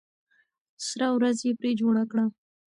سره ورځ یې پرې جوړه کړه.